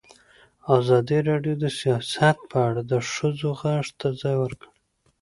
ازادي راډیو د سیاست په اړه د ښځو غږ ته ځای ورکړی.